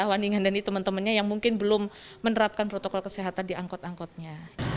waningan dani teman temannya yang mungkin belum menerapkan protokol kesehatan di angkot angkotnya